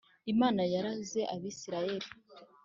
Imana yaraze abisirayeli.